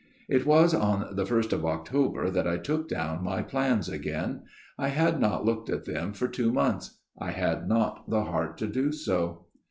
" It was on the first of October that I took down my plans again. I had not looked at them for two months : I had not the heart to do so.